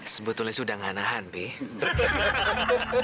sebetulnya sudah gak nahan ben